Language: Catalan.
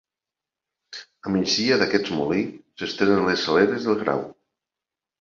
A migdia d'aquest molí s'estenen les Saleres del Grau.